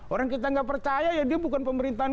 orang kita gak percaya ya dia bukan pemerintahan kita